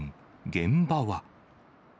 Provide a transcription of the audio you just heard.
現場は。